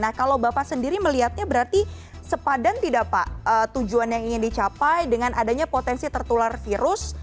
nah kalau bapak sendiri melihatnya berarti sepadan tidak pak tujuan yang ingin dicapai dengan adanya potensi tertular virus